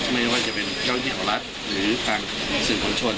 ไม่ว่าจะเป็นเจ้าที่ของรัฐหรือทางสื่อมวลชน